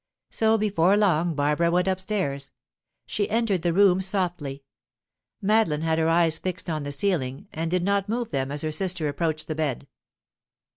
So before long Barbara went upstairs. She entered the room softly. Madeline had her eyes fixed on the ceiling, and did not move them as her sister approached the bed.